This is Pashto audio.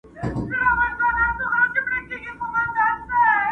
ستا د میني په اور سوی ستا تر دره یم راغلی،